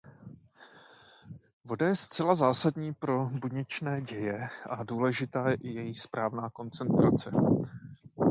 Voda je zcela zásadní pro buněčné děje a důležitá je i její správná koncentrace.